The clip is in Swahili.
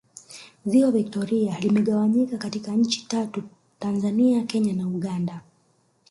Ziwa Victoria limegawanyika katika Nchi tatu Tanzania Kenya na Uganda